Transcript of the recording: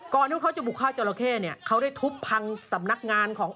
ที่เขาจะบุกฆ่าจอราเข้เนี่ยเขาได้ทุบพังสำนักงานของ